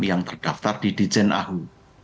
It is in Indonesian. yang terdaftar di dijenahu